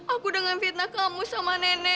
aku dengan fitnah kamu sama nenek